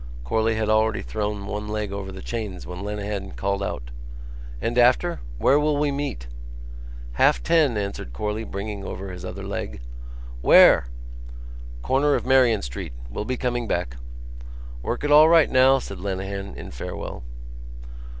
Corley had already thrown one leg over the chains when Lenehan called out: "And after? Where will we meet?" "Half ten," answered Corley, bringing over his other leg. "Where?" "Corner of Merrion Street. We'll be coming back." "Work it all right now," said Lenehan in farewell.